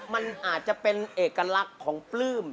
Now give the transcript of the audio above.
มันอาจจะเป็นเอกลักษณ์ของปลื้ม